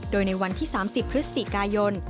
โดยในวันที่๓๐พฤศจิกายน